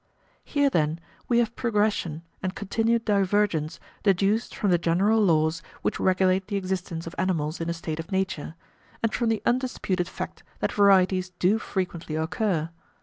Here, then, we have progression and continued divergence deduced from the general laws which regulate the existence of animals in a state of nature, and from the undisputed fact that varieties do frequently occur.